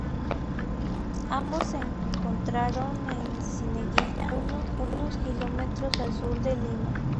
Ambos se encontraron en Cieneguilla, unos km al sur de Lima.